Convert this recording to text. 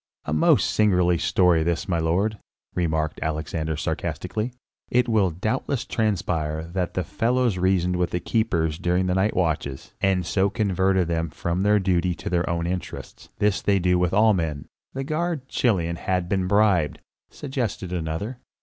"A most singular story this, my lord," remarked Alexander sarcastically. "It will doubtless transpire that the fellows reasoned with the keepers during the night watches, and so converted them from their duty to their own interests; this do they with all men." "The guard, Chilion, hath been bribed," suggested another.